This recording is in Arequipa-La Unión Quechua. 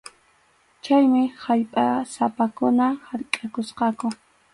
Chaymi allpasapakuna harkʼakusqaku.